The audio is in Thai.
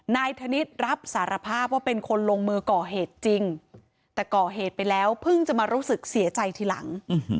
นายธนิษฐ์รับสารภาพว่าเป็นคนลงมือก่อเหตุจริงแต่ก่อเหตุไปแล้วเพิ่งจะมารู้สึกเสียใจทีหลัง